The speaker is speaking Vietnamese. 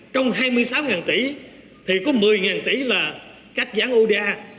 trong hai mươi sáu tỷ thì có một mươi tỷ là các dán oda